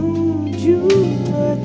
menuju ke tempat